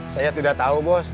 saya tidak tau bos